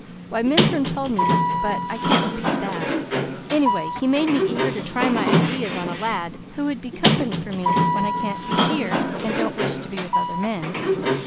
Why Minturn told me but I can't repeat that. Anyway, he made me eager to try my ideas on a lad who would be company for me, when I can't be here and don't wish to be with other men."